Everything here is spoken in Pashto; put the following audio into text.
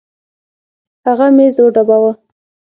هغه ميز وډباوه.